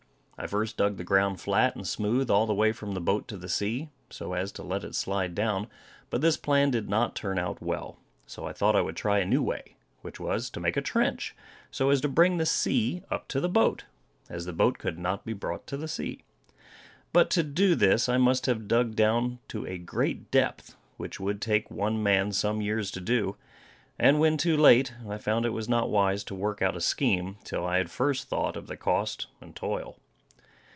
I first dug the ground flat and smooth all the way from the boat to the sea, so as to let it slide down; but this plan did not turn out well, so I thought I would try a new way, which was to make a trench, so as to bring the sea up to the boat, as the boat could not be brought to the sea. But to do this, I must have dug down to a great depth, which would take one man some years to do. And when too late, I found it was not wise to work out a scheme, till I had first thought of the cost and toil.